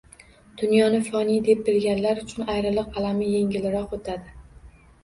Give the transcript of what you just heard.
Dunyoni foniy deb bilganlar uchun ayriliq alami yengilroq o‘tadi.